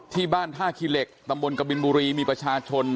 ที่บ้านท่าขี้เหล็กตำบลกบินบุรีมีประชาชน